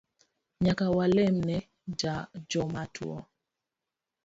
Nyaka walem ne jomatuo